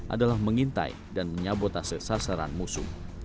adalah mengintai dan menyabotase sasaran musuh